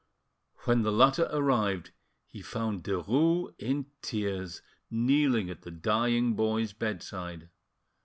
When the latter arrived he found Derues in tears, kneeling at the dying boy's bedside.